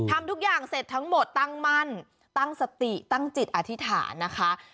ทำทุกอย่างเสร็จทั้งหมดตั้งมั่นตั้งสติตั้งจิตอธิษฐานนะคะ